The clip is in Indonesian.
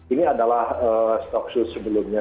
ini adalah stock shoot sebelumnya